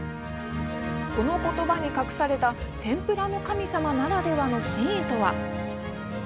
このことばに隠された天ぷらの神様ならではの真意とは。